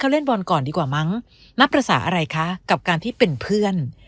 เล่นบอลก่อนดีกว่ามั้งนับภาษาอะไรคะกับการที่เป็นเพื่อน